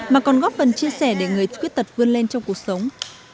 mà còn góp phần chia sẻ để người khuyết tật vươn lên trong cuộc sống